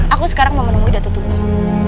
aku sekarang mau menemui datu tunggal